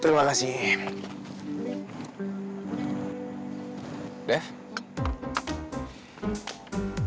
itu menteri pak hamir bukan sih